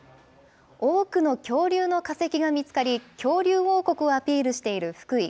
多くの恐竜の化石が見つかり、恐竜王国をアピールしている福井。